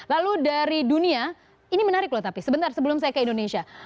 lalu dari dunia ini menarik loh tapi sebentar sebelum saya ke indonesia